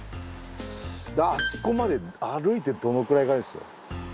あそこまで歩いてどのくらいかですよ。